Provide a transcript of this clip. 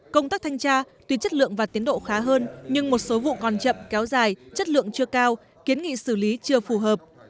công tác thanh tra tuy chất lượng và tiến độ khá hơn nhưng một số vụ còn chậm kéo dài chất lượng chưa cao kiến nghị xử lý chưa phù hợp